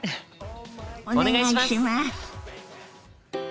お願いします！